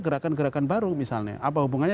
gerakan gerakan baru misalnya apa hubungannya